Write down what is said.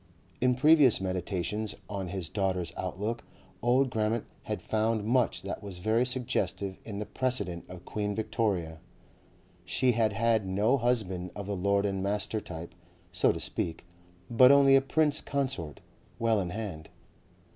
In previous meditations on his daughter's outlook old Grammont had found much that was very suggestive in the precedent of Queen Victoria. She had had no husband of the lord and master type, so to speak, but only a Prince Consort, well in hand.